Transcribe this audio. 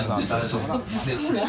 そう。